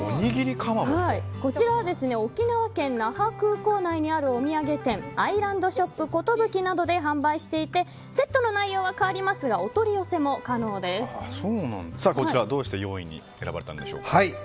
こちらは沖縄県那覇空港内にあるお土産店、アイランドショップことぶきなどで販売していてセットの内容は変わりますがどうして４位に選ばれたんでしょうか。